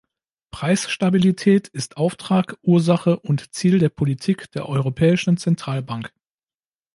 Preisstabilität ist Auftrag, Ursache und Ziel der Politik der Europäischen Zentralbank.